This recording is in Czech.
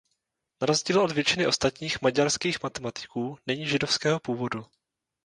Na rozdíl od většiny ostatních „maďarských“ matematiků není židovského původu.